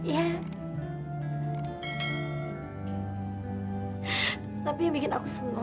ya tapi bikin aku senang nih